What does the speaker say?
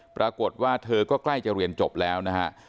ปรากฏว่าเธอก็ใกล้จะเรียนจบแล้วนะฮะ